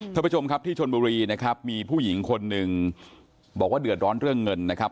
ท่านผู้ชมครับที่ชนบุรีนะครับมีผู้หญิงคนหนึ่งบอกว่าเดือดร้อนเรื่องเงินนะครับ